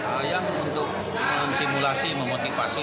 ayam untuk simulasi memotivasi